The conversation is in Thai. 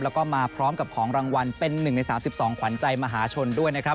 แล้วก็มาพร้อมกับของรางวัลเป็น๑ใน๓๒ขวัญใจมหาชนด้วยนะครับ